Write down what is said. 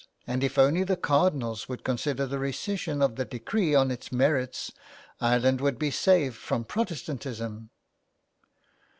And if only the cardinals would consider the rescission of the decree on its merits Ireland would be saved from Protestantism."